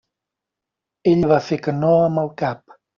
Ell va fer que no amb el cap.